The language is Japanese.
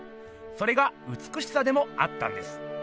それがうつくしさでもあったんです。